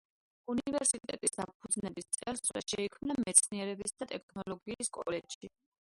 უნივერსიტეტის დაფუძნების წელსვე შეიქმნა მეცნიერებისა და ტექნოლოგიის კოლეჯი.